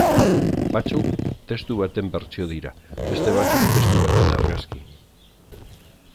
Batzuk testu baten bertsio dira, beste batzuk testu baten argazki.